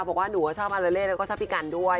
บอกว่าหนูชอบอาราเล่แล้วก็ชอบพี่กันด้วย